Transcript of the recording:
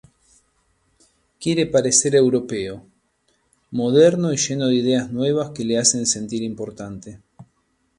Quiere parecer europeo, moderno y lleno de ideas nuevas que le hacen sentir importante.